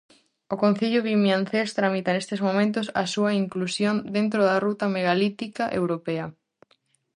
O concello vimiancés tramita nestes momentos a súa inclusión dentro da ruta megalítica europea.